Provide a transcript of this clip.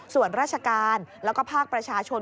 ส่วนราชการแล้วก็ภาคประชาชน